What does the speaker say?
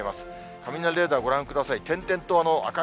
雷レーダーご覧ください。